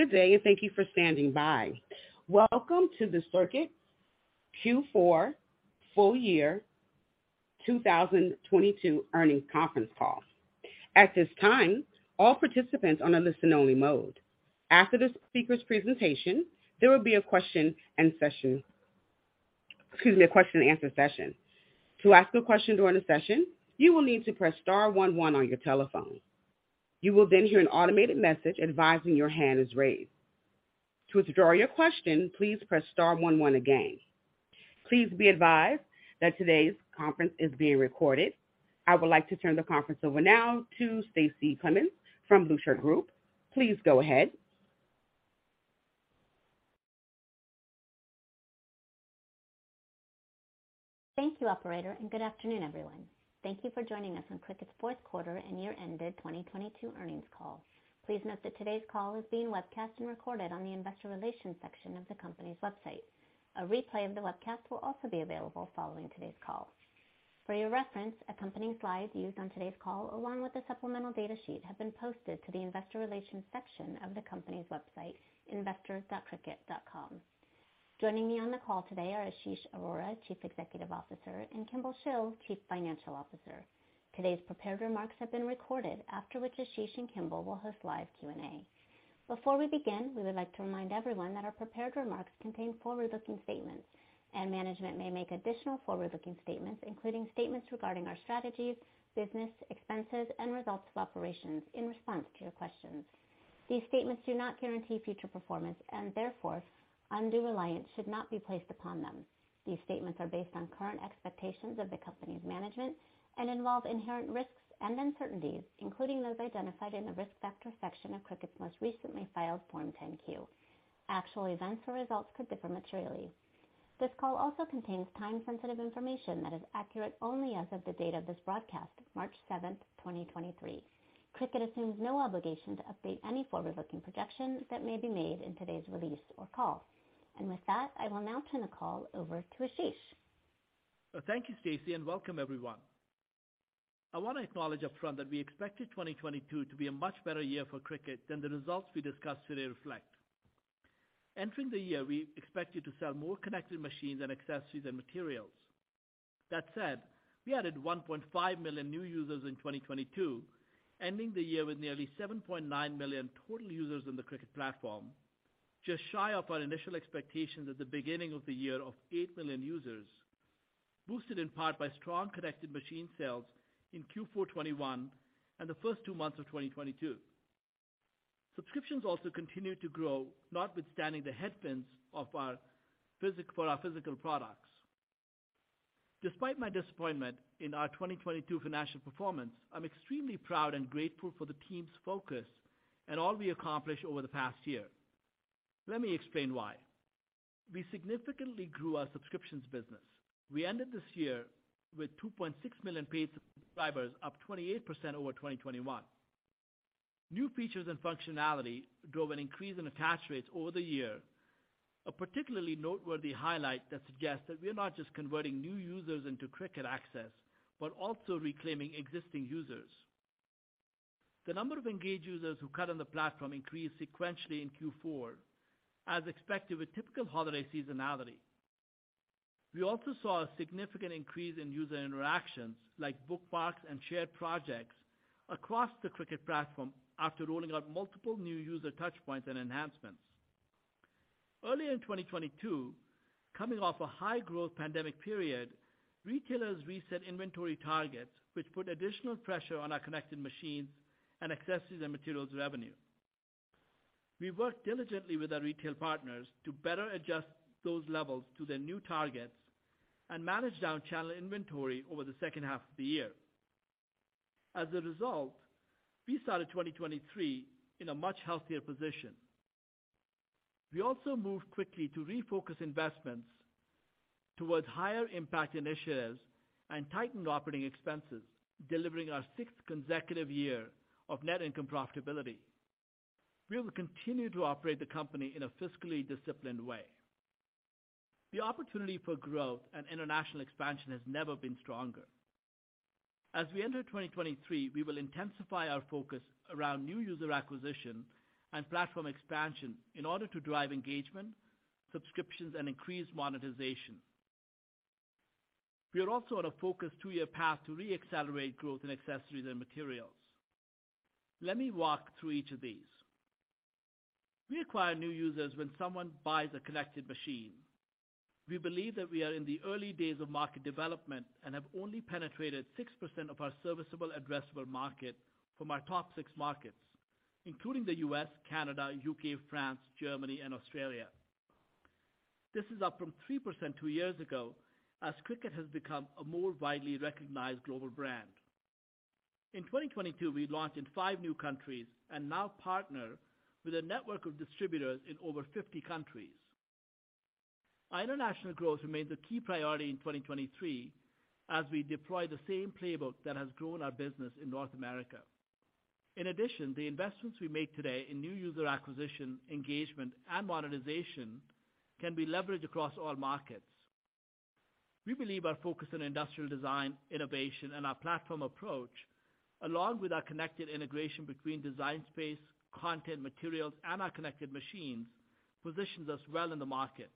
Good day, and thank you for standing by. Welcome to the Cricut Q4 full year 2022 earnings conference call. At this time, all participants are on a listen only mode. After the speaker's presentation, there will be a question-and-answer session. To ask a question during the session, you will need to press star one one on your telephone. You will then hear an automated message advising your hand is raised. To withdraw your question, please press star one one again. Please be advised that today's conference is being recorded. I would like to turn the conference over now to Stacie Clements from The Blueshirt Group. Please go ahead. Thank you, operator. Good afternoon, everyone. Thank you for joining us on Cricut's fourth quarter and year-ended 2022 earnings call. Please note that today's call is being webcast and recorded on the investor relations section of the company's website. A replay of the webcast will also be available following today's call. For your reference, accompanying slides used on today's call, along with a supplemental data sheet, have been posted to the investor relations section of the company's website, investor.cricut.com. Joining me on the call today are Ashish Arora, Chief Executive Officer, and Kimball Shill, Chief Financial Officer. Today's prepared remarks have been recorded, after which Ashish and Kimball will host live Q&A. Before we begin, we would like to remind everyone that our prepared remarks contain forward-looking statements, and management may make additional forward-looking statements, including statements regarding our strategies, business, expenses, and results of operations in response to your questions. These statements do not guarantee future performance, and therefore, undue reliance should not be placed upon them. These statements are based on current expectations of the company's management and involve inherent risks and uncertainties, including those identified in the Risk Factor section of Cricut's most recently filed Form 10-Q. Actual events or results could differ materially. This call also contains time-sensitive information that is accurate only as of the date of this broadcast, March 7, 2023. Cricut assumes no obligation to update any forward-looking projections that may be made in today's release or call. With that, I will now turn the call over to Ashish. Thank you, Stacie, and welcome everyone. I want to acknowledge upfront that we expected 2022 to be a much better year for Cricut than the results we discussed today reflect. Entering the year, we expected to sell more connected machines and accessories and materials. We added 1.5 million new users in 2022, ending the year with nearly 7.9 million total users on the Cricut platform, just shy of our initial expectations at the beginning of the year of 8 million users, boosted in part by strong connected machine sales in Q4 2021 and the first two months of 2022. Subscriptions also continued to grow, notwithstanding the headwinds for our physical products. Despite my disappointment in our 2022 financial performance, I'm extremely proud and grateful for the team's focus and all we accomplished over the past year. Let me explain why. We significantly grew our subscriptions business. We ended this year with $2.6 million paid subscribers, up 28% over 2021. New features and functionality drove an increase in attach rates over the year, a particularly noteworthy highlight that suggests that we are not just converting new users into Cricut Access but also reclaiming existing users. The number of engaged users who cut on the platform increased sequentially in Q4 as expected with typical holiday seasonality. We also saw a significant increase in user interactions like bookmarks and shared projects across the Cricut platform after rolling out multiple new user touch points and enhancements. Early in 2022, coming off a high growth pandemic period, retailers reset inventory targets, which put additional pressure on our connected machines and accessories and materials revenue. We worked diligently with our retail partners to better adjust those levels to their new targets and manage down channel inventory over the second half of the year. We started 2023 in a much healthier position. We also moved quickly to refocus investments towards higher impact initiatives and tightened operating expenses, delivering our sixth consecutive year of net income profitability. We will continue to operate the company in a fiscally disciplined way. The opportunity for growth and international expansion has never been stronger. We will intensify our focus around new user acquisition and platform expansion in order to drive engagement, subscriptions, and increase monetization. We are also on a focused two-year path to re-accelerate growth in accessories and materials. Let me walk through each of these. We acquire new users when someone buys a connected machine. We believe that we are in the early days of market development and have only penetrated 6% of our serviceable addressable market from our top six markets, including the U.S., Canada, U.K., France, Germany, and Australia. This is up from 3% two years ago as Cricut has become a more widely recognized global brand. In 2022, we launched in five new countries and now partner with a network of distributors in over 50 countries. Our international growth remains a key priority in 2023 as we deploy the same playbook that has grown our business in North America. The investments we make today in new user acquisition, engagement, and monetization can be leveraged across all markets. We believe our focus on industrial design, innovation and our platform approach, along with our connected integration between Design Space, content materials, and our connected machines, positions us well in the market.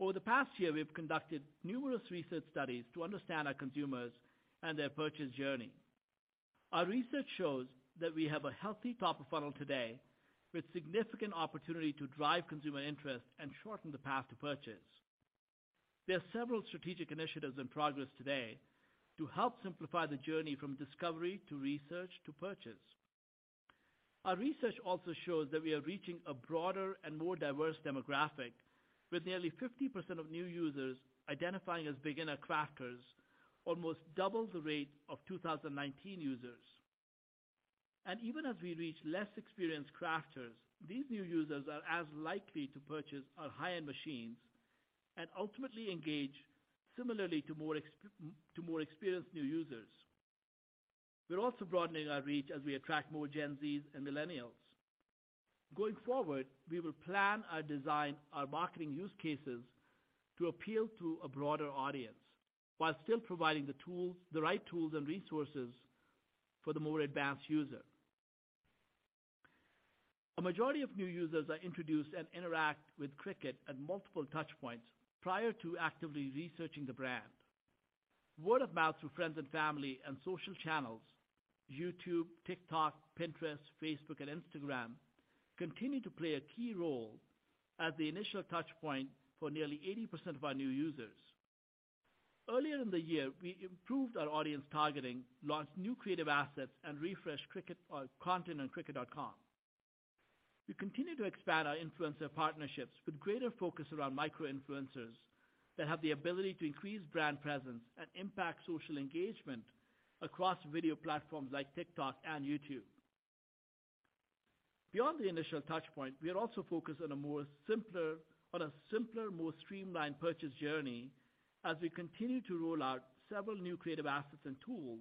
Over the past year, we've conducted numerous research studies to understand our consumers and their purchase journey. Our research shows that we have a healthy top of funnel today, with significant opportunity to drive consumer interest and shorten the path to purchase. There are several strategic initiatives in progress today to help simplify the journey from discovery to research to purchase. Our research also shows that we are reaching a broader and more diverse demographic, with nearly 50% of new users identifying as beginner crafters, almost double the rate of 2019 users. Even as we reach less experienced crafters, these new users are as likely to purchase our high-end machines and ultimately engage similarly to more experienced new users. We're also broadening our reach as we attract more Gen Zs and millennials. Going forward, we will plan our design, our marketing use cases, to appeal to a broader audience while still providing the right tools and resources for the more advanced user. A majority of new users are introduced and interact with Cricut at multiple touch points prior to actively researching the brand. Word of mouth through friends and family and social channels, YouTube, TikTok, Pinterest, Facebook and Instagram, continue to play a key role as the initial touch point for nearly 80% of our new users. Earlier in the year, we improved our audience targeting, launched new creative assets, and refreshed Cricut content on cricut.com. We continue to expand our influencer partnerships with greater focus around micro-influencers that have the ability to increase brand presence and impact social engagement across video platforms like TikTok and YouTube. Beyond the initial touch point, we are also focused on a simpler, more streamlined purchase journey as we continue to roll out several new creative assets and tools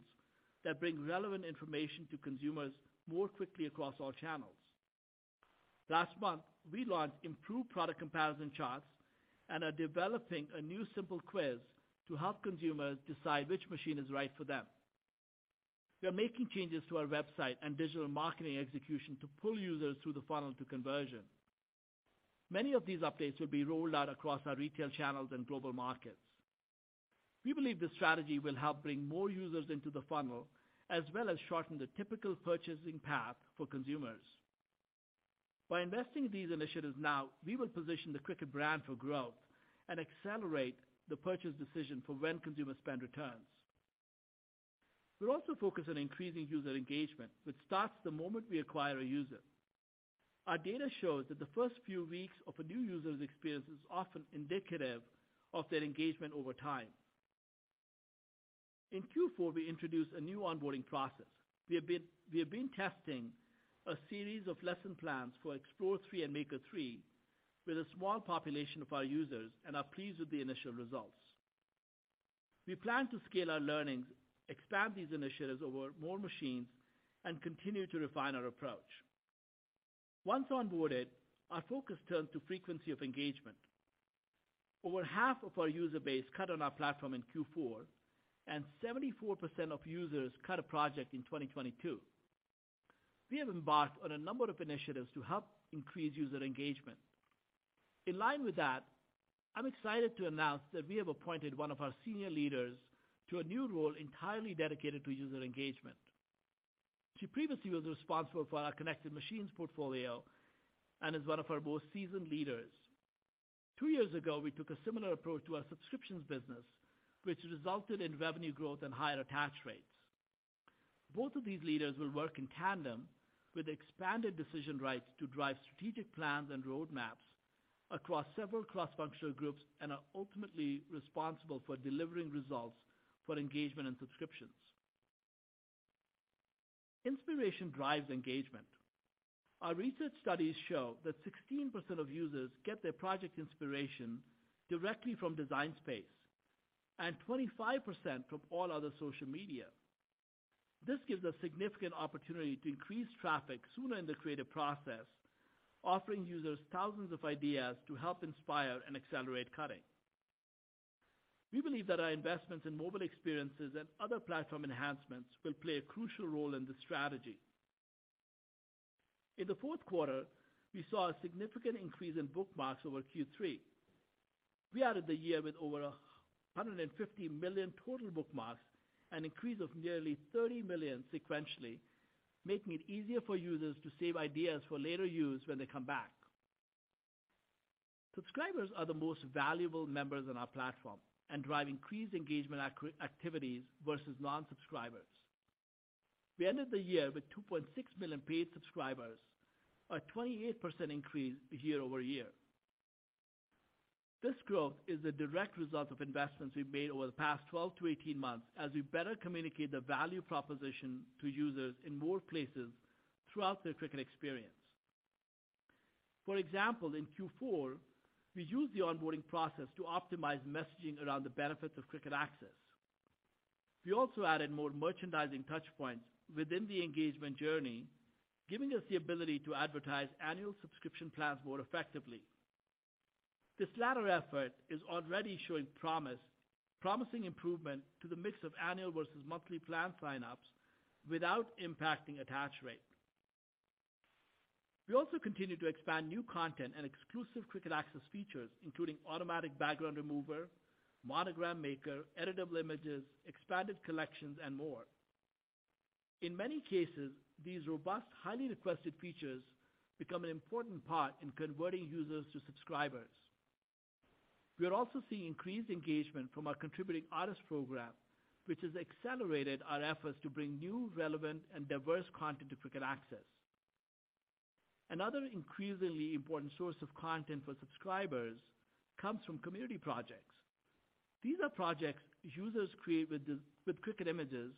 that bring relevant information to consumers more quickly across all channels. Last month, we launched improved product comparison charts and are developing a new simple quiz to help consumers decide which machine is right for them. We are making changes to our website and digital marketing execution to pull users through the funnel to conversion. Many of these updates will be rolled out across our retail channels and global markets. We believe this strategy will help bring more users into the funnel as well as shorten the typical purchasing path for consumers. By investing in these initiatives now, we will position the Cricut brand for growth and accelerate the purchase decision for when consumer spend returns. We're also focused on increasing user engagement, which starts the moment we acquire a user. Our data shows that the first few weeks of a new user's experience is often indicative of their engagement over time. In Q4, we introduced a new onboarding process. We have been testing a series of lesson plans for Explore 3 and Maker 3 with a small population of our users and are pleased with the initial results. We plan to scale our learnings, expand these initiatives over more machines and continue to refine our approach. Once onboarded, our focus turned to frequency of engagement. Over half of our user base cut on our platform in Q4, and 74% of users cut a project in 2022. We have embarked on a number of initiatives to help increase user engagement. In line with that, I'm excited to announce that we have appointed one of our senior leaders to a new role entirely dedicated to user engagement. She previously was responsible for our connected machines portfolio and is one of our most seasoned leaders. Two years ago, we took a similar approach to our subscriptions business, which resulted in revenue growth and higher attach rates. Both of these leaders will work in tandem with expanded decision rights to drive strategic plans and road maps across several cross-functional groups and are ultimately responsible for delivering results for engagement and subscriptions. Inspiration drives engagement. Our research studies show that 16% of users get their project inspiration directly from Design Space, and 25% from all other social media. This gives a significant opportunity to increase traffic sooner in the creative process, offering users thousands of ideas to help inspire and accelerate cutting. We believe that our investments in mobile experiences and other platform enhancements will play a crucial role in this strategy. In the fourth quarter, we saw a significant increase in bookmarks over Q3. We added the year with over 150 million total bookmarks, an increase of nearly 30 million sequentially, making it easier for users to save ideas for later use when they come back. Subscribers are the most valuable members on our platform and drive increased engagement activities versus non-subscribers. We ended the year with 2.6 million paid subscribers, a 28% increase year-over-year. This growth is a direct result of investments we've made over the past 12 to 18 months as we better communicate the value proposition to users in more places throughout their Cricut experience. For example, in Q4, we used the onboarding process to optimize messaging around the benefits of Cricut Access. We also added more merchandising touchpoints within the engagement journey, giving us the ability to advertise annual subscription plans more effectively. This latter effort is already showing promise, promising improvement to the mix of annual versus monthly plan signups without impacting attach rate. We also continue to expand new content and exclusive Cricut Access features, including Automatic Background Remover, Monogram Maker, Editable Images, expanded collections, and more. In many cases, these robust, highly requested features become an important part in converting users to subscribers. We are also seeing increased engagement from our Contributing Artist Program, which has accelerated our efforts to bring new, relevant, and diverse content to Cricut Access. Another increasingly important source of content for subscribers comes from Community Projects. These are projects users create with Cricut images,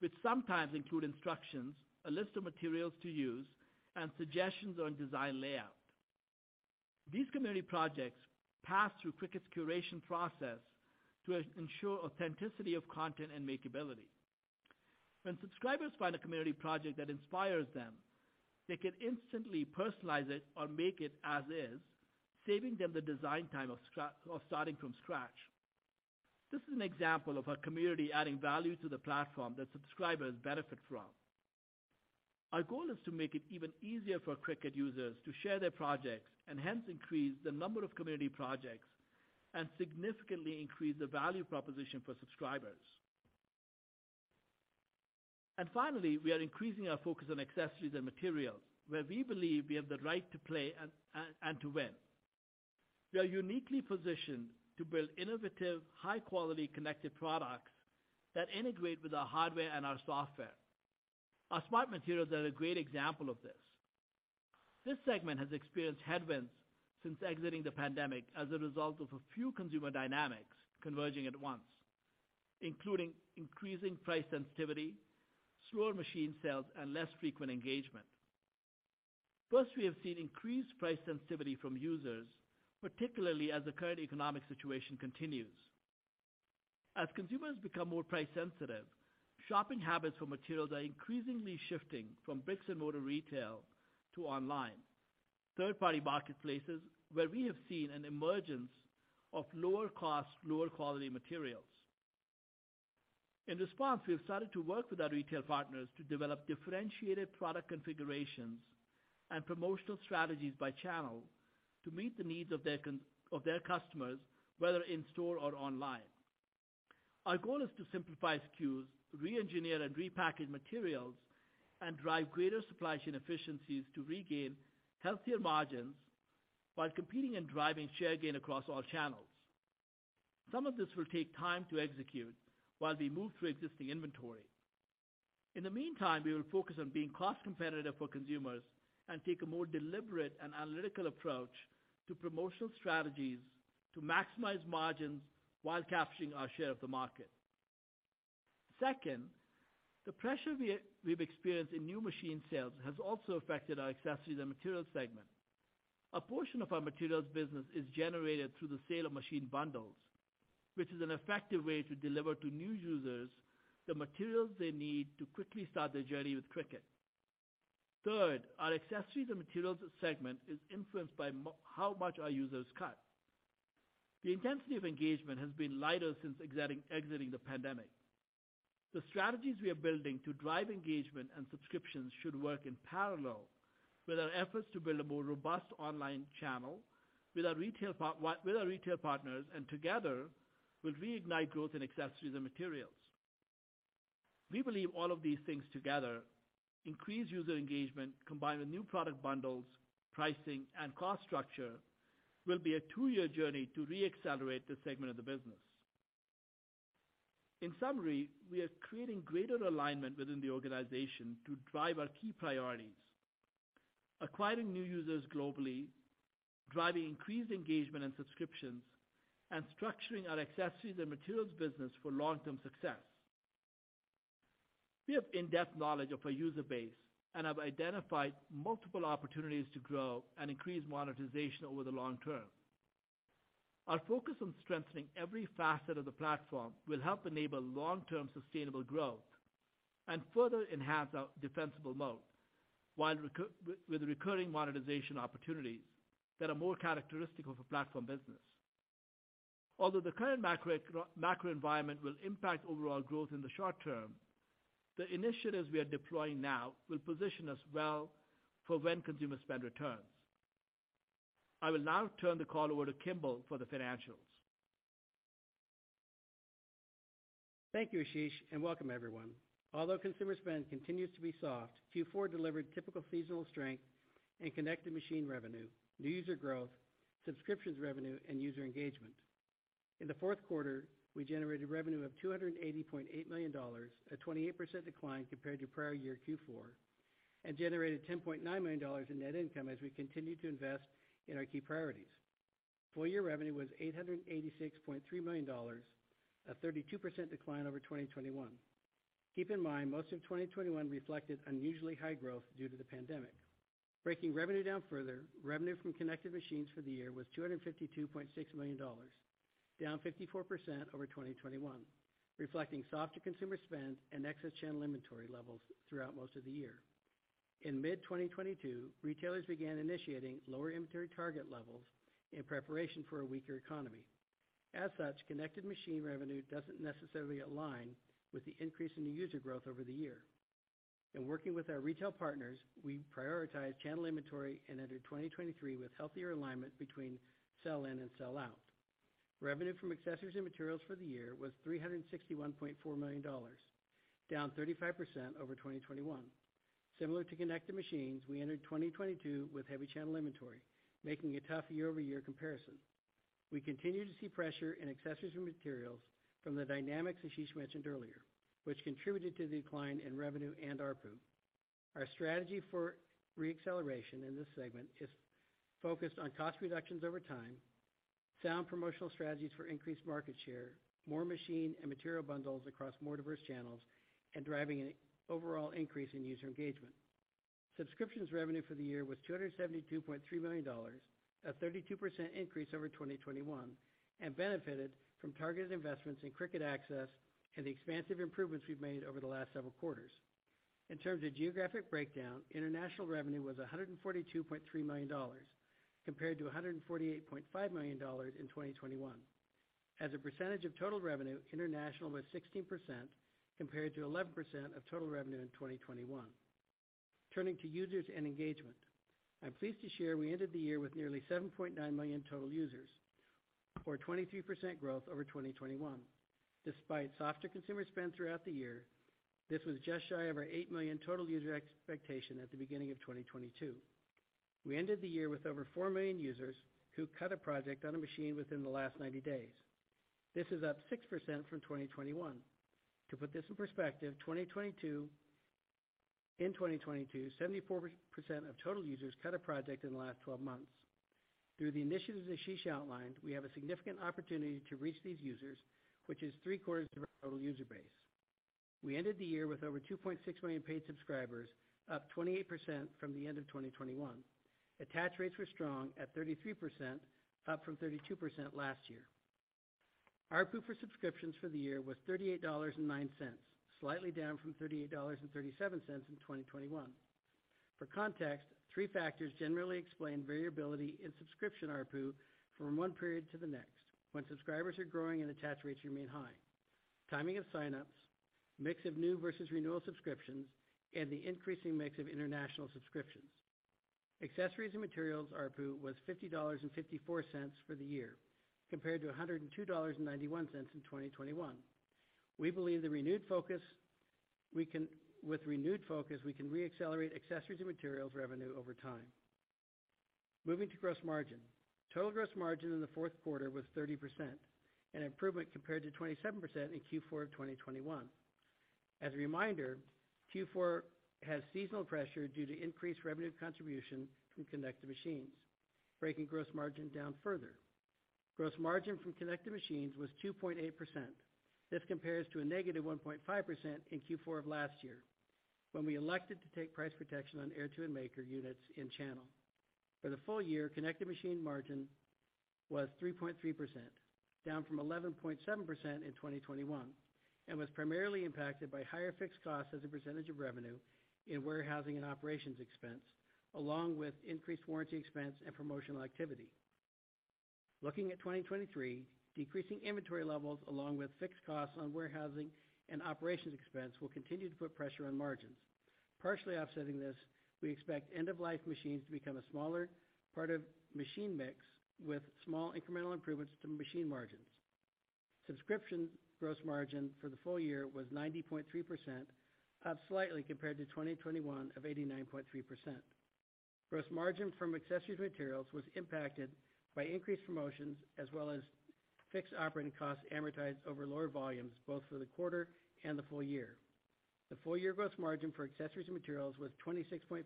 which sometimes include instructions, a list of materials to use, and suggestions on design layout. These Community Projects pass through Cricut's curation process to as-ensure authenticity of content and makeability. When subscribers find a Community Project that inspires them, they can instantly personalize it or make it as is, saving them the design time of starting from scratch. This is an example of our community adding value to the platform that subscribers benefit from. Our goal is to make it even easier for Cricut users to share their projects and hence increase the number of Community Projects and significantly increase the value proposition for subscribers. Finally, we are increasing our focus on accessories and materials, where we believe we have the right to play and to win. We are uniquely positioned to build innovative, high-quality connected products that integrate with our hardware and our software. Our Smart Materials are a great example of this. This segment has experienced headwinds since exiting the pandemic as a result of a few consumer dynamics converging at once, including increasing price sensitivity, slower machine sales, and less frequent engagement. First, we have seen increased price sensitivity from users, particularly as the current economic situation continues. As consumers become more price sensitive, shopping habits for materials are increasingly shifting from bricks and mortar retail to online, third-party marketplaces, where we have seen an emergence of lower cost, lower quality materials. In response, we have started to work with our retail partners to develop differentiated product configurations and promotional strategies by channel to meet the needs of their customers, whether in store or online. Our goal is to simplify SKUs, re-engineer and repackage materials, and drive greater supply chain efficiencies to regain healthier margins while competing and driving share gain across all channels. Some of this will take time to execute while we move through existing inventory. In the meantime, we will focus on being cost competitive for consumers and take a more deliberate and analytical approach to promotional strategies to maximize margins while capturing our share of the market. Second, the pressure we've experienced in new machine sales has also affected our accessories and materials segment. A portion of our materials business is generated through the sale of machine bundles, which is an effective way to deliver to new users the materials they need to quickly start their journey with Cricut. Third, our accessories and materials segment is influenced by how much our users cut. The intensity of engagement has been lighter since exiting the pandemic. The strategies we are building to drive engagement and subscriptions should work in parallel with our efforts to build a more robust online channel with our retail partners, and together will reignite growth in accessories and materials. We believe all of these things together, increased user engagement, combined with new product bundles, pricing, and cost structure, will be a two-year journey to re-accelerate this segment of the business. In summary, we are creating greater alignment within the organization to drive our key priorities, acquiring new users globally, driving increased engagement and subscriptions, and structuring our accessories and materials business for long-term success. We have in-depth knowledge of our user base and have identified multiple opportunities to grow and increase monetization over the long term. Our focus on strengthening every facet of the platform will help enable long-term sustainable growth and further enhance our defensible mode, with recurring monetization opportunities that are more characteristic of a platform business. Although the current macroenvironment will impact overall growth in the short term, the initiatives we are deploying now will position us well for when consumer spend returns. I will now turn the call over to Kimball for the financials. Thank you, Ashish. Welcome everyone. Although consumer spend continues to be soft, Q4 delivered typical seasonal strength in connected machine revenue, new user growth, subscriptions revenue, and user engagement. In the fourth quarter, we generated revenue of $288 million, a 28% decline compared to prior year Q4, and generated $10.9 million in net income as we continue to invest in our key priorities. Full year revenue was $886.3 million, a 32% decline over 2021. Keep in mind, most of 2021 reflected unusually high growth due to the pandemic. Breaking revenue down further, revenue from connected machines for the year was $252.6 million, down 54% over 2021, reflecting softer consumer spend and excess channel inventory levels throughout most of the year. In mid-2022, retailers began initiating lower inventory target levels in preparation for a weaker economy. Connected machine revenue doesn't necessarily align with the increase in new user growth over the year. In working with our retail partners, we prioritize channel inventory and entered 2023 with healthier alignment between sell-in and sell-out. Revenue from accessories and materials for the year was $361.4 million, down 35% over 2021. Similar to connected machines, we entered 2022 with heavy channel inventory, making a tough year-over-year comparison. We continue to see pressure in accessories and materials from the dynamics Ashish mentioned earlier, which contributed to the decline in revenue and ARPU. Our strategy for re-acceleration in this segment is focused on cost reductions over time, sound promotional strategies for increased market share, more machine and material bundles across more diverse channels, and driving an overall increase in user engagement. Subscriptions revenue for the year was $272.3 million, a 32% increase over 2021, and benefited from targeted investments in Cricut Access and the expansive improvements we've made over the last several quarters. In terms of geographic breakdown, international revenue was $142.3 million compared to $148.5 million in 2021. As a percentage of total revenue, international was 16% compared to 11% of total revenue in 2021. Turning to users and engagement. I'm pleased to share we ended the year with nearly 7.9 million total users, or 23% growth over 2021. Despite softer consumer spend throughout the year, this was just shy of our 8 million total user expectation at the beginning of 2022. We ended the year with over 4 million users who cut a project on a machine within the last 90 days. This is up 6% from 2021. To put this in perspective, in 2022, 74% of total users cut a project in the last 12 months. Through the initiatives Ashish outlined, we have a significant opportunity to reach these users, which is three-quarters of our total user base. We ended the year with over 2.6 million paid subscribers, up 28% from the end of 2021. Attach rates were strong at 33%, up from 32% last year. ARPU for subscriptions for the year was $38.09, slightly down from $38.37 in 2021. For context, three factors generally explain variability in subscription ARPU from one period to the next when subscribers are growing and attach rates remain high. Timing of sign-ups, mix of new versus renewal subscriptions, the increasing mix of international subscriptions. Accessories and materials ARPU was $50.54 for the year, compared to $102.91 in 2021. We believe with renewed focus, we can re-accelerate accessories and materials revenue over time. Moving to gross margin. Total gross margin in the fourth quarter was 30%, an improvement compared to 27% in Q4 of 2021. As a reminder, Q4 has seasonal pressure due to increased revenue contribution from connected machines. Breaking gross margin down further. Gross margin from connected machines was 2.8%. This compares to a -1.5% in Q4 of last year when we elected to take price protection on Air 2 and Maker units in channel. For the full year, connected machine margin was 3.3%, down from 11.7% in 2021, and was primarily impacted by higher fixed costs as a percentage of revenue in warehousing and operations expense, along with increased warranty expense and promotional activity. Looking at 2023, decreasing inventory levels along with fixed costs on warehousing and operations expense will continue to put pressure on margins. Partially offsetting this, we expect end-of-life machines to become a smaller part of machine mix with small incremental improvements to machine margins. Subscription gross margin for the full year was 90.3%, up slightly compared to 2021 of 89.3%. Gross margin from accessories materials was impacted by increased promotions as well as fixed operating costs amortized over lower volumes, both for the quarter and the full year. The full year gross margin for accessories and materials was 26.5%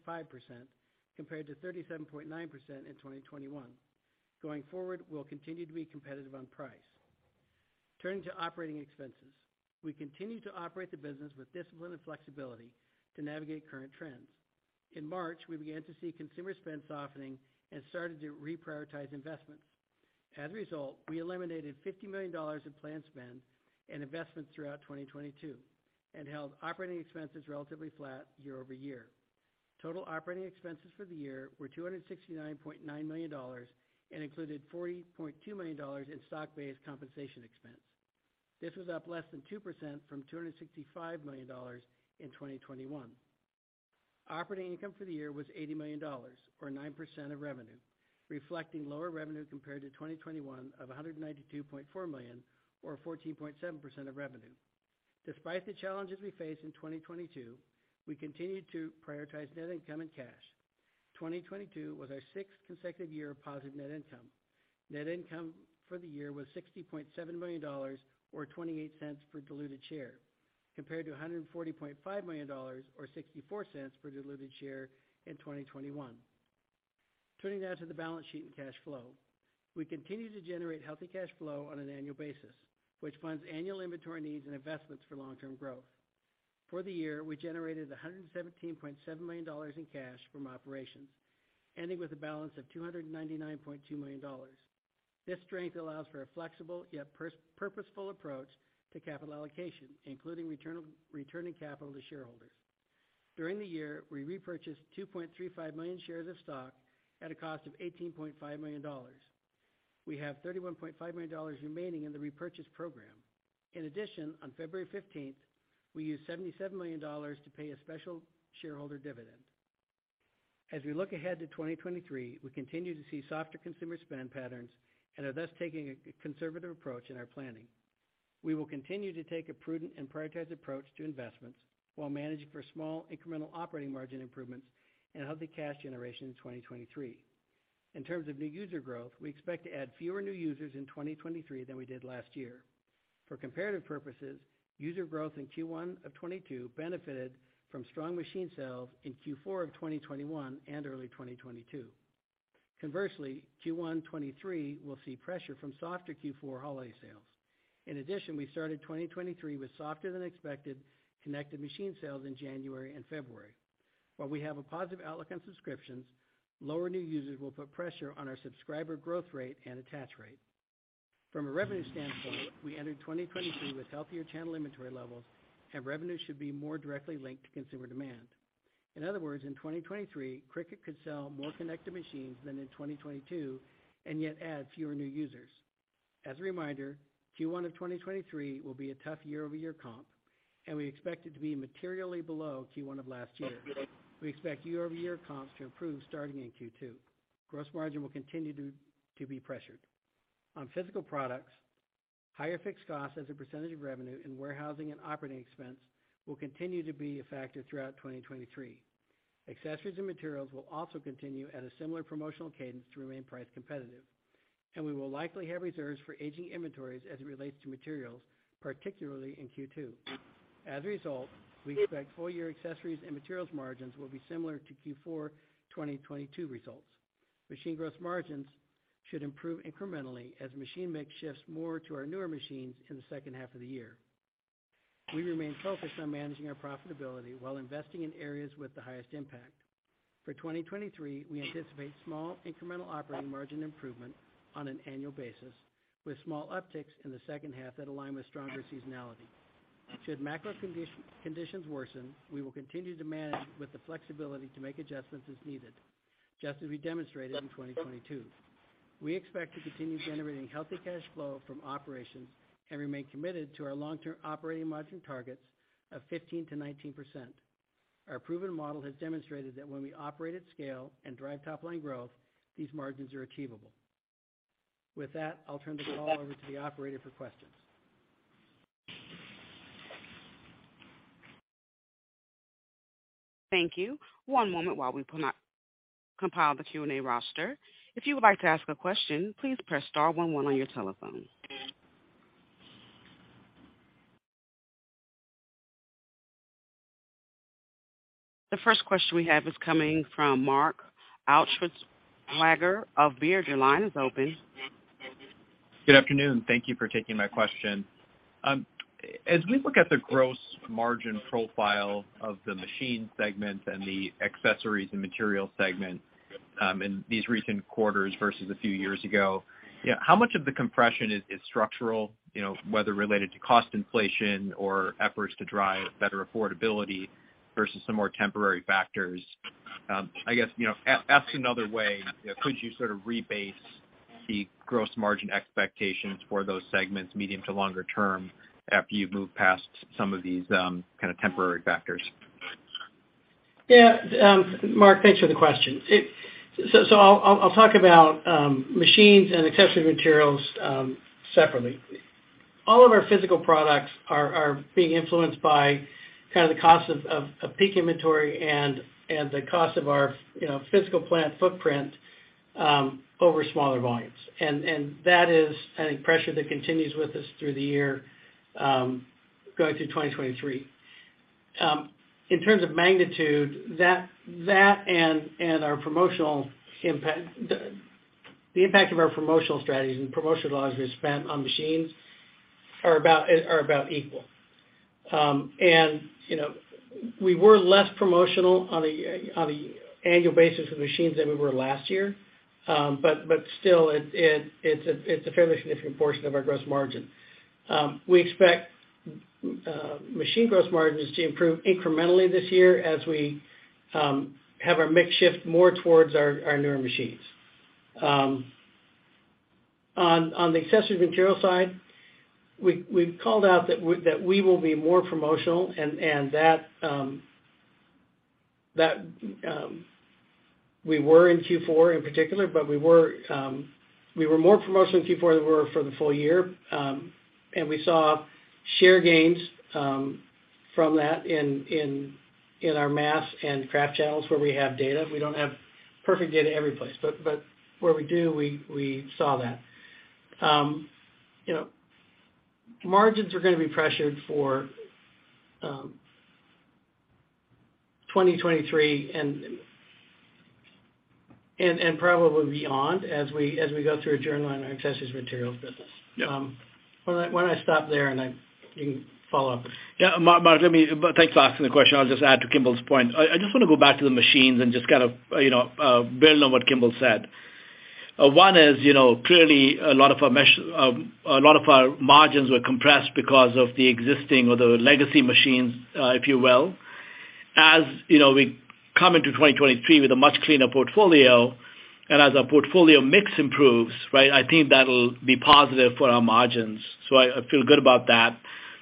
compared to 37.9% in 2021. Going forward, we'll continue to be competitive on price. Turning to operating expenses. We continue to operate the business with discipline and flexibility to navigate current trends. In March, we began to see consumer spend softening and started to reprioritize investments. We eliminated $50 million in planned spend and investment throughout 2022 and held operating expenses relatively flat year-over-year. Total operating expenses for the year were $269.9 million and included $40.2 million in stock-based compensation expense. This was up less than 2% from $265 million in 2021. Operating income for the year was $80 million or 9% of revenue, reflecting lower revenue compared to 2021 of $192.4 million or 14.7% of revenue. Despite the challenges we faced in 2022, we continued to prioritize net income and cash. 2022 was our sixth consecutive year of positive net income. Net income for the year was $60.7 million or $0.28 per diluted share, compared to $140.5 million or $0.64 per diluted share in 2021. Turning now to the balance sheet and cash flow. We continue to generate healthy cash flow on an annual basis, which funds annual inventory needs and investments for long-term growth. For the year, we generated $117.7 million in cash from operations, ending with a balance of $299.2 million. This strength allows for a flexible yet purposeful approach to capital allocation, including returning capital to shareholders. During the year, we repurchased 2.35 million shares of stock at a cost of $18.5 million. We have $31.5 million remaining in the repurchase program. On February 15th, we used $77 million to pay a special shareholder dividend. As we look ahead to 2023, we continue to see softer consumer spend patterns and are thus taking a conservative approach in our planning. We will continue to take a prudent and prioritized approach to investments while managing for small incremental operating margin improvements and healthy cash generation in 2023. In terms of new user growth, we expect to add fewer new users in 2023 than we did last year. For comparative purposes, user growth in Q1 of 2022 benefited from strong machine sales in Q4 of 2021 and early 2022. Q1 2023 will see pressure from softer Q4 holiday sales. We started 2023 with softer than expected connected machine sales in January and February. While we have a positive outlook on subscriptions, lower new users will put pressure on our subscriber growth rate and attach rate. From a revenue standpoint, we entered 2022 with healthier channel inventory levels. Revenue should be more directly linked to consumer demand. In other words, in 2023, Cricut could sell more connected machines than in 2022 and yet add fewer new users. As a reminder, Q1 of 2023 will be a tough year-over-year comp. We expect it to be materially below Q1 of last year. We expect year-over-year comps to improve starting in Q2. Gross margin will continue to be pressured. On physical products, higher fixed costs as a percentage of revenue and warehousing and operating expense will continue to be a factor throughout 2023. Accessories and materials will also continue at a similar promotional cadence to remain price competitive, and we will likely have reserves for aging inventories as it relates to materials, particularly in Q2. As a result, we expect full year accessories and materials margins will be similar to Q4 2022 results. Machine gross margins should improve incrementally as machine mix shifts more to our newer machines in the second half of the year. We remain focused on managing our profitability while investing in areas with the highest impact. For 2023, we anticipate small incremental operating margin improvement on an annual basis, with small upticks in the second half that align with stronger seasonality. Should macro conditions worsen, we will continue to manage with the flexibility to make adjustments as needed, just as we demonstrated in 2022. We expect to continue generating healthy cash flow from operations and remain committed to our long-term operating margin targets of 15%-19%. Our proven model has demonstrated that when we operate at scale and drive top line growth, these margins are achievable. With that, I'll turn the call over to the operator for questions. Thank you. One moment while we compile the Q&A roster. If you would like to ask a question, please press star one one on your telephone. The first question we have is coming from Mark Altschwager of Baird. Your line is open. Good afternoon. Thank you for taking my question. As we look at the gross margin profile of the machine segment and the accessories and materials segment, in these recent quarters versus a few years ago, how much of the compression is structural, you know, whether related to cost inflation or efforts to drive better affordability versus some more temporary factors? I guess, you know, another way, could you sort of rebase the gross margin expectations for those segments medium to longer term after you've moved past some of these, kind of temporary factors? Yeah. Mark, thanks for the question. I'll talk about machines and accessory materials separately. All of our physical products are being influenced by kind of the cost of peak inventory and the cost of our, you know, physical plant footprint over smaller volumes. That is any pressure that continues with us through the year going through 2023. In terms of magnitude, that and our promotional impact, the impact of our promotional strategies and promotional dollars we spent on machines are about equal. You know, we were less promotional on an annual basis with machines than we were last year. But still it's a fairly significant portion of our gross margin. We expect machine gross margins to improve incrementally this year as we have our mix shift more towards our newer machines. On the accessories material side, we've called out that we will be more promotional and that we were in Q4 in particular, but we were more promotional in Q4 than we were for the full year. We saw share gains from that in our mass and craft channels where we have data. We don't have perfect data every place, but where we do, we saw that. You know, margins are going to be pressured for 2023 and probably beyond as we go through a churn line on our accessories materials business. Yeah. Why don't I stop there, and you can follow up. Yeah. Mark, thanks for asking the question. I'll just add to Kimball's point. I just wanna go back to the machines and just kind of, you know, build on what Kimball said. One is, you know, clearly a lot of our margins were compressed because of the existing or the legacy machines, if you will. You know, we come into 2023 with a much cleaner portfolio, and as our portfolio mix improves, right, I think that'll be positive for our margins. I feel good about that.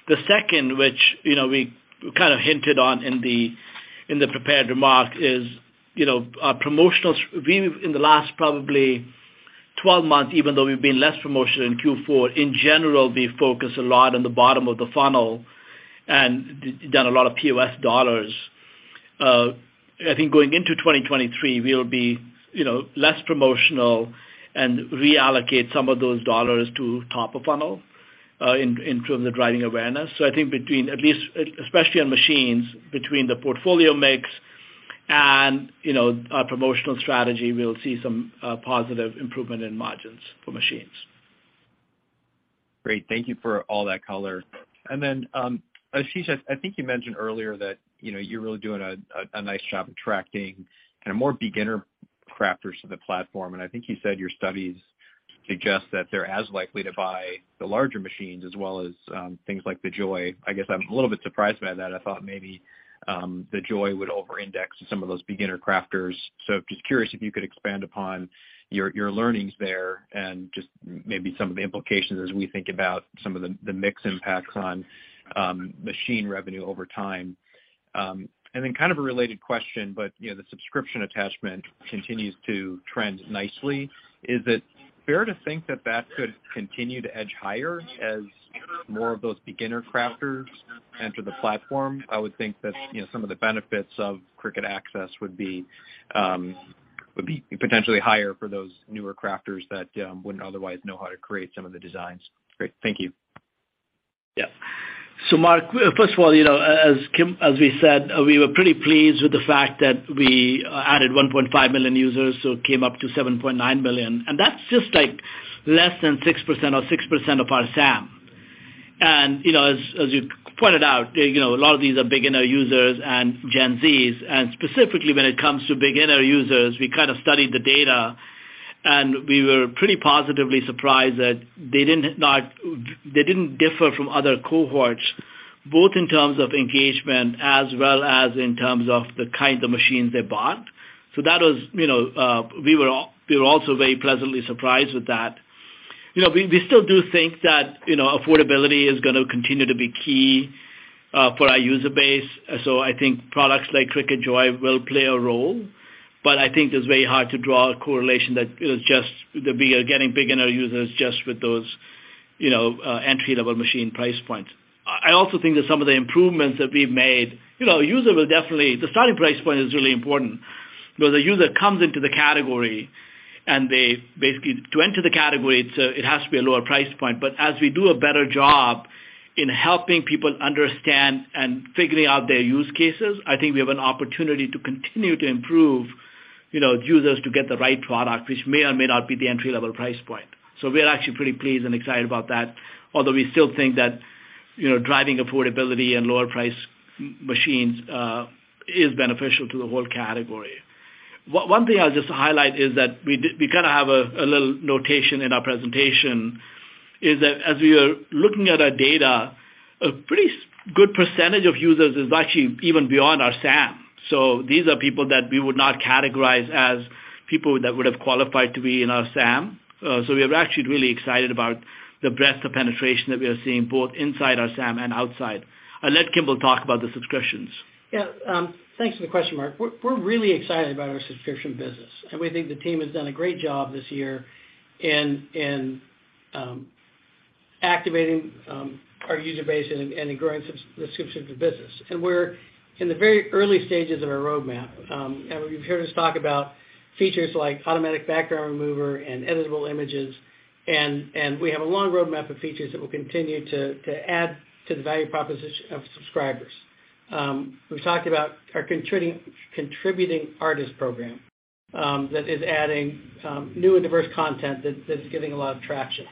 The second, which, you know, we kind of hinted on in the, in the prepared remarks is, you know, our promotionals, in the last probably 12 months, even though we've been less promotional in Q4, in general, we focus a lot on the bottom of the funnel and done a lot of POS dollars. I think going into 2023, we'll be, you know, less promotional and reallocate some of those dollars to top of funnel, in terms of driving awareness. I think between at least, especially on machines, between the portfolio mix and, you know, our promotional strategy, we'll see some positive improvement in margins for machines. Great. Thank you for all that color. Ashish, I think you mentioned earlier that, you know, you're really doing a nice job attracting kind of more beginner crafters to the platform, and I think you said your studies suggest that they're as likely to buy the larger machines as well as things like the Joy. I guess I'm a little bit surprised by that. I thought maybe the Joy would over-index some of those beginner crafters. Just curious if you could expand upon your learnings there and just maybe some of the implications as we think about some of the mix impacts on machine revenue over time. Kind of a related question, but, you know, the subscription attachment continues to trend nicely. Is it fair to think that that could continue to edge higher as more of those beginner crafters enter the platform? I would think that, you know, some of the benefits of Cricut Access would be potentially higher for those newer crafters that wouldn't otherwise know how to create some of the designs. Great. Thank you. Yeah. Mark, first of all, you know, as we said, we were pretty pleased with the fact that we added 1.5 million users, it came up to 7.9 million. That's just, like, less than 6% or 6% of our SAM. You know, as you pointed out, you know, a lot of these are beginner users and Gen Z. Specifically when it comes to beginner users, we kind of studied the data, and we were pretty positively surprised that they didn't differ from other cohorts, both in terms of engagement as well as in terms of the kind of machines they bought. That was, you know, we were also very pleasantly surprised with that. You know, we still do think that, you know, affordability is gonna continue to be key for our user base. I think products like Cricut Joy will play a role, but I think it's very hard to draw a correlation that we are getting beginner users just with those, you know, entry-level machine price points. I also think that some of the improvements that we've made, you know, a user will definitely, the starting price point is really important. You know, the user comes into the category, and they basically to enter the category, it has to be a lower price point. As we do a better job in helping people understand and figuring out their use cases, I think we have an opportunity to continue to improve, you know, users to get the right product, which may or may not be the entry-level price point. We're actually pretty pleased and excited about that. Although we still think that, you know, driving affordability and lower price machines is beneficial to the whole category. One thing I'll just highlight is that we kinda have a little notation in our presentation, is that as we are looking at our data, a pretty good percentage of users is actually even beyond our SAM. These are people that we would not categorize as people that would have qualified to be in our SAM. We are actually really excited about the breadth of penetration that we are seeing both inside our SAM and outside. I'll let Kimball talk about the subscriptions. Yeah. Thanks for the question, Mark. We're really excited about our subscription business, and we think the team has done a great job this year in activating our user base and growing the subscription business. We're in the very early stages of our roadmap. You've heard us talk about features like Automatic Background Remover and Editable Images, and we have a long roadmap of features that we'll continue to add to the value proposition of subscribers. We've talked about our Contributing Artist Program that is adding new and diverse content that's getting a lot of traction.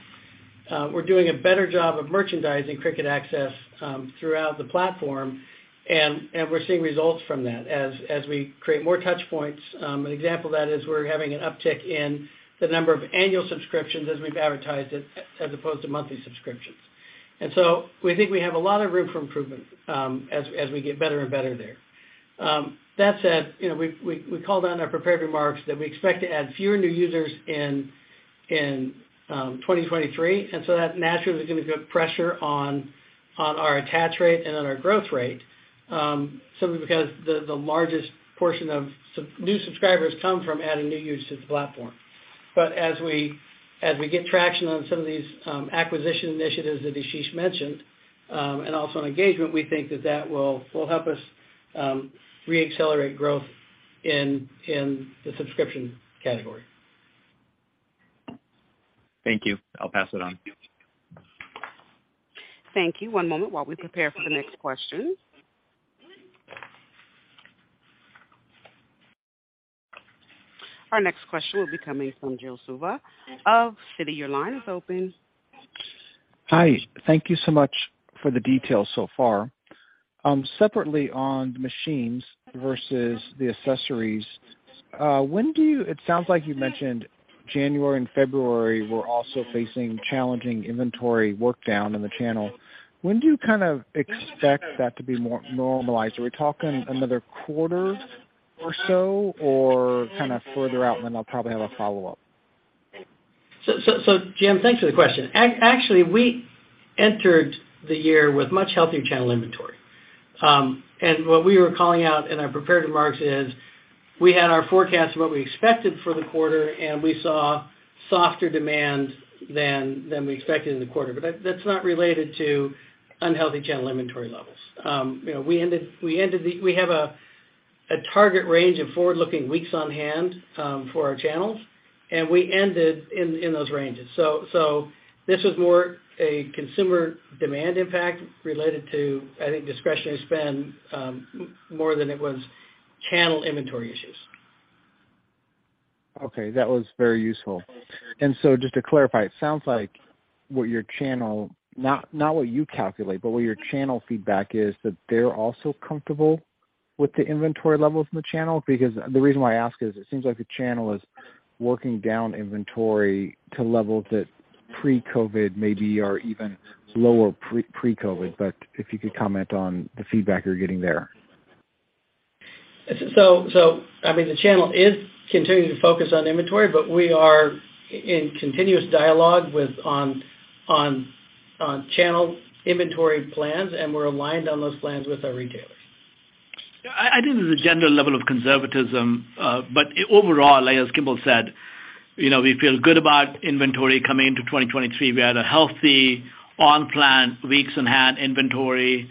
We're doing a better job of merchandising Cricut Access throughout the platform, and we're seeing results from that as we create more touch points. An example of that is we're having an uptick in the number of annual subscriptions as we've advertised it as opposed to monthly subscriptions. We think we have a lot of room for improvement as we get better and better there. That said, you know, we called on our prepared remarks that we expect to add fewer new users in 2023, that naturally is gonna put pressure on our attach rate and on our growth rate simply because the largest portion of new subscribers come from adding new users to the platform. As we get traction on some of these acquisition initiatives that Ashish mentioned, and also on engagement, we think that will help us reaccelerate growth in the subscription category. Thank you. I'll pass it on. Thank you. One moment while we prepare for the next question. Our next question will be coming from Jim Suva of Citi. Your line is open. Hi. Thank you so much for the details so far. Separately on the machines versus the accessories, It sounds like you mentioned January and February were also facing challenging inventory work down in the channel. When do you kind of expect that to be more normalized? Are we talking another quarter or so or kind of further out than that? I'll probably have a follow-up. Jim, thanks for the question. Actually, we entered the year with much healthier channel inventory. What we were calling out in our prepared remarks is we had our forecast of what we expected for the quarter, and we saw softer demand than we expected in the quarter. That's not related to unhealthy channel inventory levels. You know, we have a target range of forward-looking weeks on hand for our channels, and we ended in those ranges. This was more a consumer demand impact related to, I think, discretionary spend, more than it was channel inventory issues. Okay. That was very useful. Just to clarify, it sounds like what your channel, not what you calculate, but what your channel feedback is that they're also comfortable with the inventory levels in the channel? The reason why I ask is it seems like the channel is working down inventory to levels that pre-COVID maybe are even lower pre-COVID. If you could comment on the feedback you're getting there. I mean, the channel is continuing to focus on inventory, but we are in continuous dialogue with, on channel inventory plans, and we're aligned on those plans with our retailers. I think there's a general level of conservatism, but overall, like as Kimball said, you know, we feel good about inventory coming into 2023. We had a healthy on plan, weeks on hand inventory.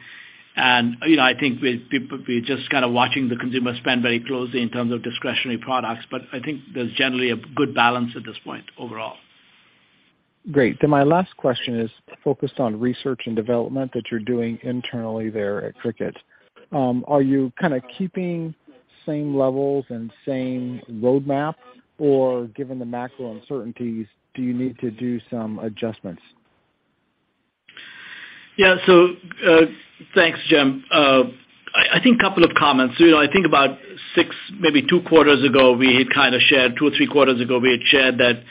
You know, I think we're just kind of watching the consumer spend very closely in terms of discretionary products, but I think there's generally a good balance at this point overall. Great. My last question is focused on research and development that you're doing internally there at Cricut. Are you kinda keeping same levels and same roadmap, or given the macro uncertainties, do you need to do some adjustments? Yeah. Thanks, Jim. I think couple of comments. You know, I think about six, maybe two quarters ago, we had kind of shared, two or three quarters ago, we had shared that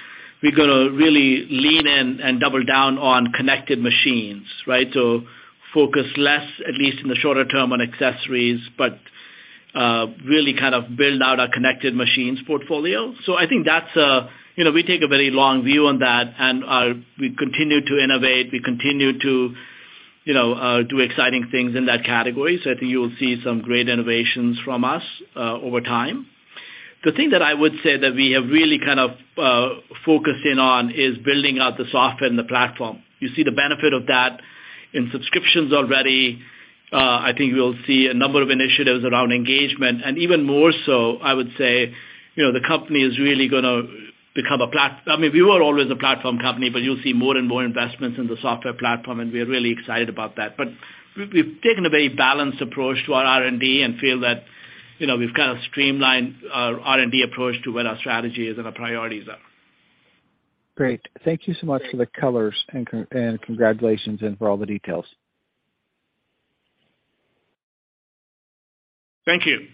we're gonna really lean in and double down on connected machines, right? Focus less, at least in the shorter term, on accessories, but really kind of build out our connected machines portfolio. I think. You know, we take a very long view on that, and we continue to innovate, we continue to, you know, do exciting things in that category. I think you'll see some great innovations from us over time. The thing that I would say that we have really kind of focused in on is building out the software and the platform. You see the benefit of that in subscriptions already. I think you'll see a number of initiatives around engagement. Even more so, I would say, you know, the company is really gonna become I mean, we were always a platform company, but you'll see more and more investments in the software platform, and we are really excited about that. We've taken a very balanced approach to our R&D and feel that, you know, we've kind of streamlined our R&D approach to what our strategy is and our priorities are. Great. Thank you so much for the colors and congratulations and for all the details. Thank you.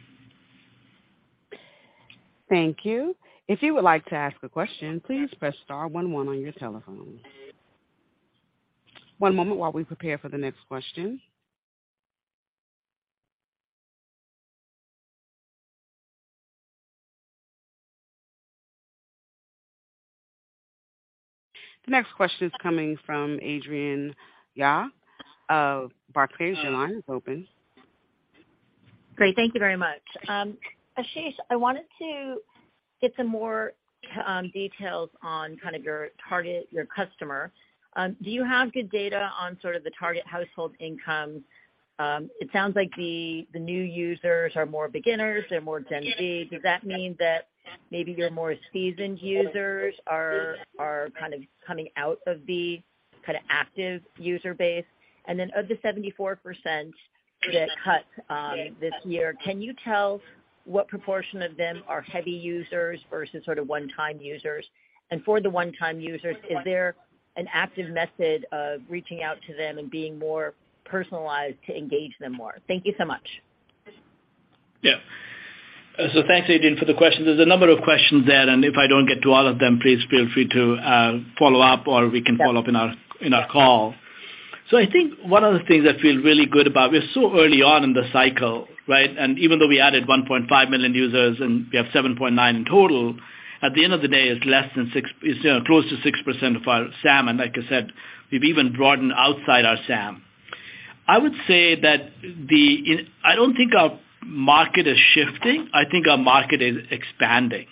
Thank you. If you would like to ask a question, please press star one one on your telephone. One moment while we prepare for the next question. The next question is coming from Adrienne Yih of Barclays. Your line is open. Great. Thank you very much. Ashish, I wanted to get some more details on kind of your target, your customer. Do you have good data on sort of the target household income? It sounds like the new users are more beginners, they're more Gen Z. Does that mean that maybe your more seasoned users are kind of coming out of the kinda active user base? Of the 74% that cut this year, can you tell what proportion of them are heavy users versus sort of one-time users? For the one-time users, is there an active method of reaching out to them and being more personalized to engage them more? Thank you so much. Thanks, Adrienne, for the question. There's a number of questions there, and if I don't get to all of them, please feel free to follow up or we can follow up in our, in our call. I think one of the things I feel really good about, we're so early on in the cycle, right? Even though we added 1.5 million users and we have 7.9 in total, at the end of the day, it's less than, you know, close to 6% of our SAM. Like I said, we've even broadened outside our SAM. I would say that I don't think our market is shifting. I think our market is expanding,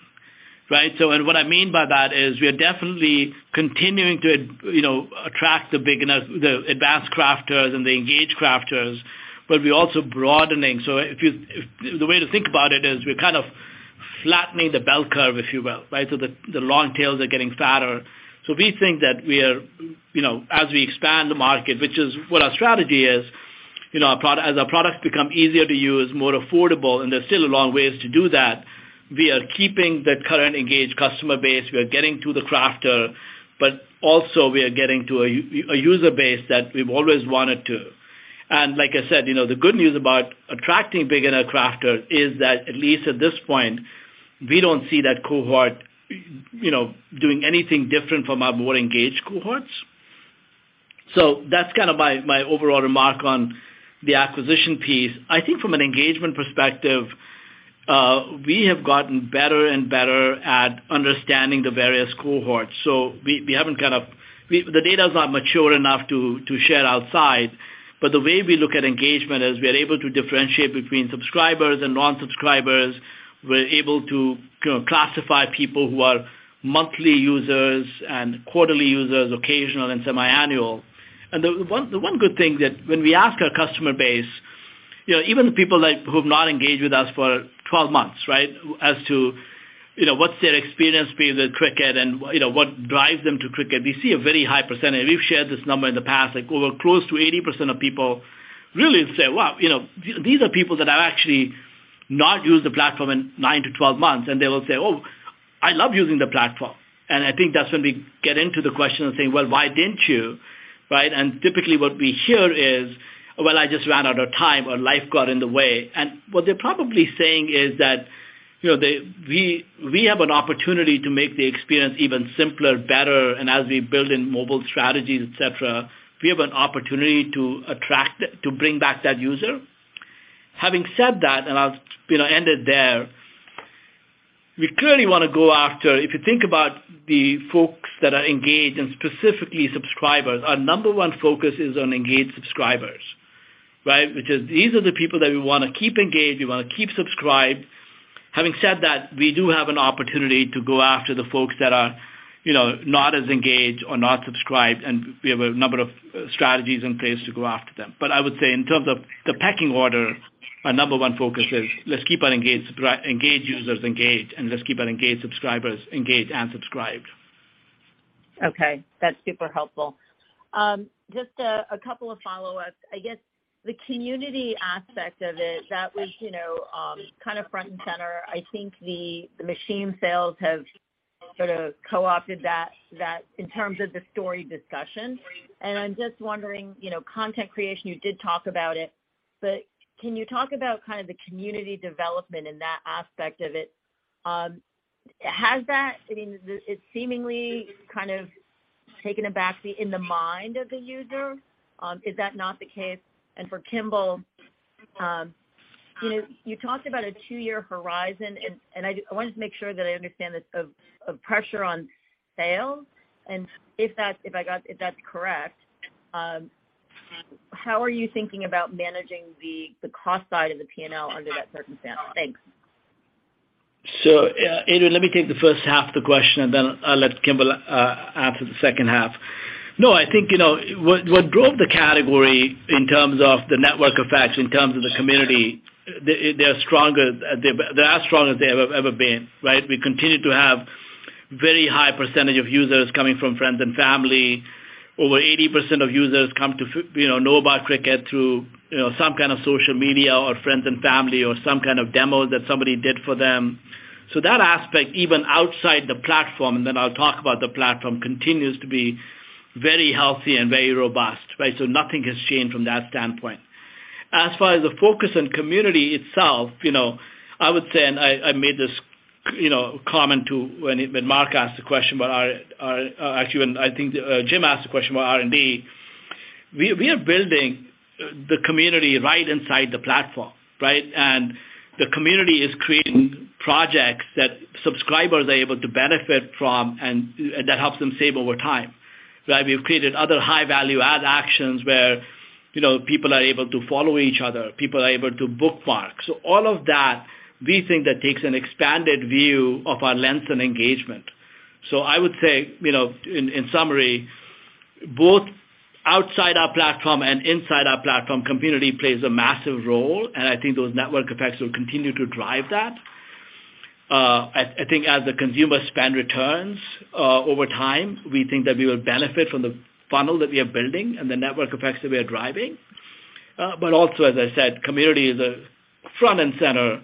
right? What I mean by that is we are definitely continuing to, you know, attract the big enough, the advanced crafters and the engaged crafters, but we're also broadening. The way to think about it is we're kind of flattening the bell curve, if you will, right? The long tails are getting fatter. We think that we are, you know, as we expand the market, which is what our strategy is, you know, as our products become easier to use, more affordable, and there's still a long way to do that, we are keeping the current engaged customer base. We are getting to the crafter, but also we are getting to a user base that we've always wanted to. Like I said, you know, the good news about attracting beginner crafter is that at least at this point, we don't see that cohort, you know, doing anything different from our more engaged cohorts. That's kinda my overall remark on the acquisition piece. I think from an engagement perspective, we have gotten better and better at understanding the various cohorts. We haven't kind of. The data's not mature enough to share outside. The way we look at engagement is we are able to differentiate between subscribers and non-subscribers. We're able to, you know, classify people who are monthly users and quarterly users, occasional and semi-annual. The one good thing that when we ask our customer base, you know, even people like who have not engaged with us for 12 months, right? As to, you know, what's their experience with Cricut and, you know, what drives them to Cricut, we see a very high percentage. We've shared this number in the past, like over close to 80% of people really say, "Wow," you know. These are people that have actually not used the platform in 9-12 months, and they will say, "Oh, I love using the platform." I think that's when we get into the question of saying, "Well, why didn't you?" Right? Typically, what we hear is, "Well, I just ran out of time, or life got in the way." What they're probably saying is that, you know, we have an opportunity to make the experience even simpler, better, and as we build in mobile strategies, et cetera, we have an opportunity to attract, to bring back that user. Having said that, I'll, you know, end it there. We clearly wanna go after... If you think about the folks that are engaged, and specifically subscribers, our number 1 focus is on engaged subscribers, right? Which is these are the people that we wanna keep engaged, we wanna keep subscribed. Having said that, we do have an opportunity to go after the folks that are, you know, not as engaged or not subscribed, and we have a number of strategies in place to go after them. I would say in terms of the pecking order, our number 1 focus is let's keep our engaged users engaged, and let's keep our engaged subscribers engaged and subscribed. Okay, that's super helpful. Just a couple of follow-ups. I guess the community aspect of it, that was, you know, kind of front and center. I think the machine sales have sort of co-opted that in terms of the story discussion. I'm just wondering, you know, content creation, you did talk about it, but can you talk about kind of the community development in that aspect of it? Has that, I mean, it seemingly kind of taken a backseat in the mind of the user. Is that not the case? For Kimball, you know, you talked about a two-year horizon, I wanted to make sure that I understand the of pressure on sales, and if that's correct, how are you thinking about managing the cost side of the P&L under that circumstance? Thanks. Adrienne, let me take the first half of the question, and then I'll let Kimball answer the second half. I think, you know, what drove the category in terms of the network effects, in terms of the community, they're stronger, they're as strong as they ever been, right? We continue to have very high % of users coming from friends and family. Over 80% of users come to, you know about Cricut through, you know, some kind of social media or friends and family or some kind of demo that somebody did for them. That aspect, even outside the platform, I'll talk about the platform, continues to be very healthy and very robust, right? Nothing has changed from that standpoint. As far as the focus on community itself, you know, I would say, I made this, you know, comment to when Mark asked the question about actually, when I think Jim asked the question about R&D. We are building the community right inside the platform, right? The community is creating projects that subscribers are able to benefit from and that helps them save over time, right? We've created other high-value ad actions where, you know, people are able to follow each other, people are able to bookmark. All of that, we think that takes an expanded view of our length and engagement. I would say, you know, in summary, both outside our platform and inside our platform, community plays a massive role, and I think those network effects will continue to drive that. I think as the consumer spend returns, over time, we think that we will benefit from the funnel that we are building and the network effects that we are driving. Also, as I said, community is a front and center,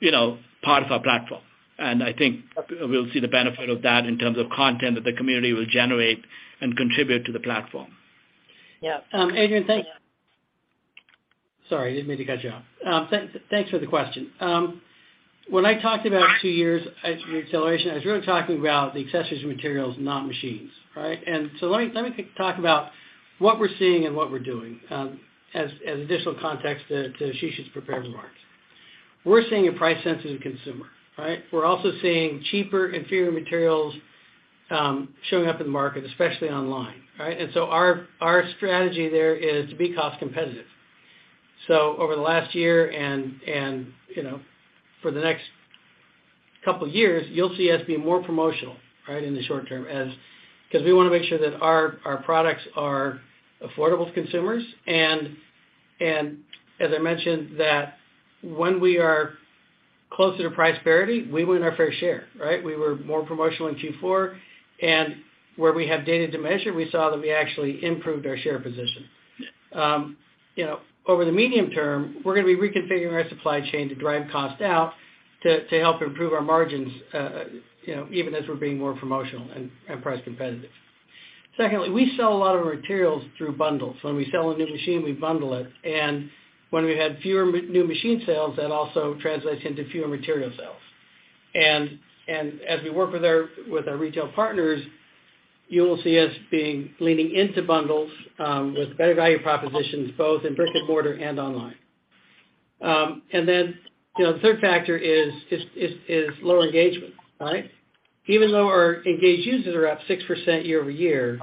you know, part of our platform. I think we'll see the benefit of that in terms of content that the community will generate and contribute to the platform. Yeah. Adrienne, Sorry, I didn't mean to cut you off. Thanks for the question. When I talked about two years as acceleration, I was really talking about the accessories and materials, not machines, right? Let me talk about what we're seeing and what we're doing, as additional context to Ashish's prepared remarks. We're seeing a price-sensitive consumer, right? We're also seeing cheaper, inferior materials, showing up in the market, especially online, right? Our strategy there is to be cost-competitive. Over the last year and, you know, for the next couple years, you'll see us be more promotional, right, in the short term as... Cause we wanna make sure that our products are affordable to consumers. As I mentioned that when we are closer to price parity, we win our fair share, right? We were more promotional in Q four, and where we have data to measure, we saw that we actually improved our share position. You know, over the medium term, we're gonna be reconfiguring our supply chain to drive cost out to help improve our margins, you know, even as we're being more promotional and price competitive. Secondly, we sell a lot of materials through bundles. When we sell a new machine, we bundle it. When we had fewer new machine sales, that also translates into fewer material sales. As we work with our retail partners, you'll see us leaning into bundles with better value propositions, both in brick-and-mortar and online. Then, you know, the third factor is low engagement, right? Even though our engaged users are up 6% year-over-year,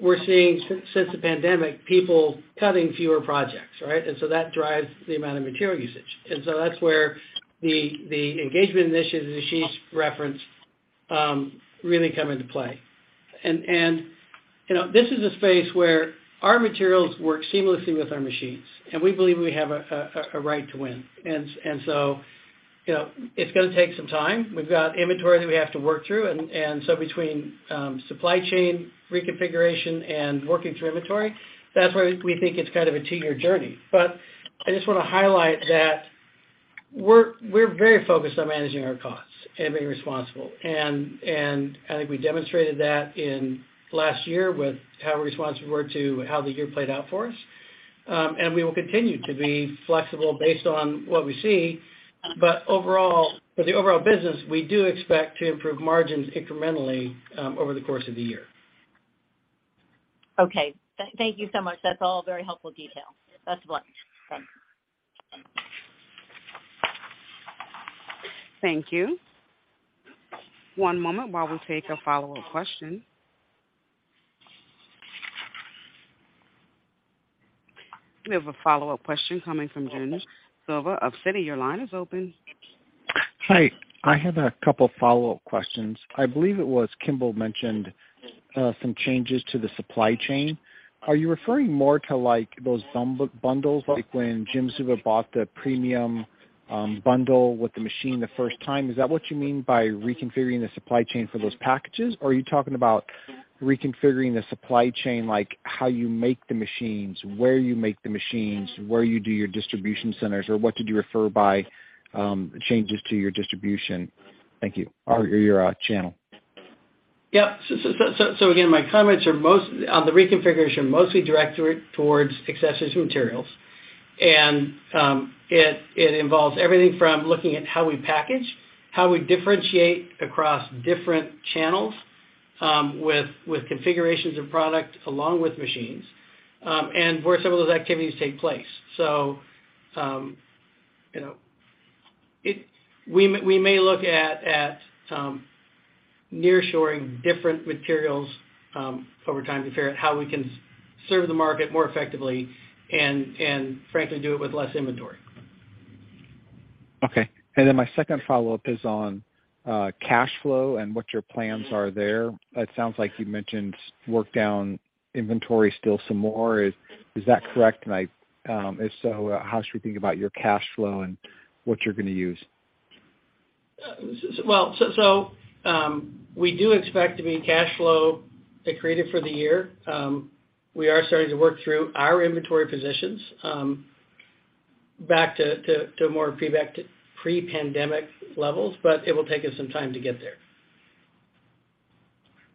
we're seeing since the pandemic, people cutting fewer projects, right? That drives the amount of material usage. That's where the engagement initiatives Ashish referenced really come into play. You know, this is a space where our materials work seamlessly with our machines, and we believe we have a right to win. So, you know, it's gonna take some time. We've got inventory that we have to work through. Between supply chain reconfiguration and working through inventory, that's where we think it's kind of a 2-year journey. I just wanna highlight that we're very focused on managing our costs and being responsible. I think we demonstrated that in last year with how responsive we were to how the year played out for us. We will continue to be flexible based on what we see. For the overall business, we do expect to improve margins incrementally over the course of the year. Okay. Thank you so much. That's all very helpful detail. Best of luck. Thanks. Thank you. One moment while we take a follow-up question. We have a follow-up question coming from Jim Suva of Citi. Your line is open. Hi. I have a couple follow-up questions. I believe it was Kimball mentioned some changes to the supply chain. Are you referring more to, like, those bundles, like when Jim Suva bought the premium bundle with the machine the first time? Is that what you mean by reconfiguring the supply chain for those packages? Are you talking about reconfiguring the supply chain, like, how you make the machines, where you make the machines, where you do your distribution centers, or what did you refer by changes to your distribution? Thank you. Your channel. Again, my comments are most on the reconfiguration, mostly direct to it towards accessories materials. It involves everything from looking at how we package, how we differentiate across different channels, with configurations of product along with machines, and where some of those activities take place. You know, we may look at nearshoring different materials over time to figure out how we can serve the market more effectively and frankly, do it with less inventory. Okay. Then my second follow-up is on cash flow and what your plans are there. It sounds like you mentioned work down inventory still some more. Is that correct? If so, how should we think about your cash flow and what you're gonna use? We do expect to be cash flow accretive for the year. We are starting to work through our inventory positions, back to more pre-pandemic levels, but it will take us some time to get there.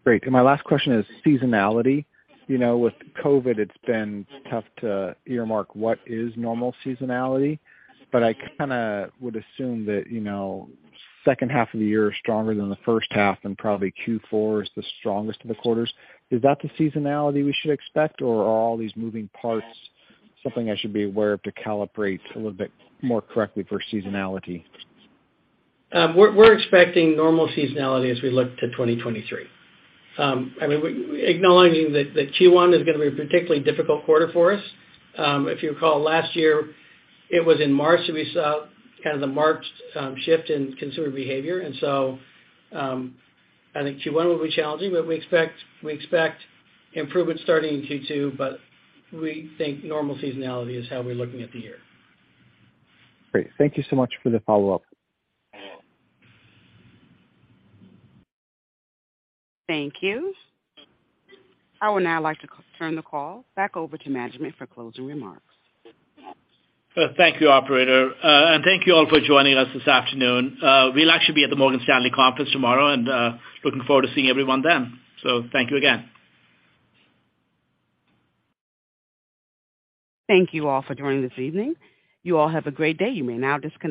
Great. My last question is seasonality. You know, with COVID, it's been tough to earmark what is normal seasonality, but I kinda would assume that, you know, second half of the year is stronger than the first half, and probably Q4 is the strongest of the quarters. Is that the seasonality we should expect, or are all these moving parts something I should be aware of to calibrate a little bit more correctly for seasonality? We're expecting normal seasonality as we look to 2023. I mean, acknowledging that Q1 is gonna be a particularly difficult quarter for us. If you recall, last year it was in March that we saw kind of the marked shift in consumer behavior. I think Q1 will be challenging, but we expect improvement starting in Q2, but we think normal seasonality is how we're looking at the year. Great. Thank you so much for the follow-up. Thank you. I would now like to turn the call back over to management for closing remarks. Thank you, operator. Thank you all for joining us this afternoon. We'll actually be at the Morgan Stanley conference tomorrow, and, looking forward to seeing everyone then. Thank you again. Thank you all for joining this evening. You all have a great day. You may now disconnect.